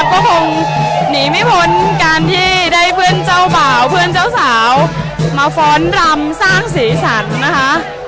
ก็คงหนีไม่พ้นการที่ได้เพื่อนเจ้าบ่าวเพื่อนเจ้าสาวมาฟ้อนรำสร้างสีสันนะคะ